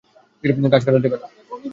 গাছ কাটা যাবে না।